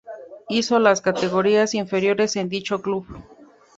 Hizo las categorías inferiores en dicho club.